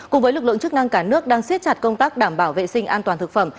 cùng với lực lượng chức năng cả nước đang siết chặt công tác đảm bảo vệ sinh an toàn thực phẩm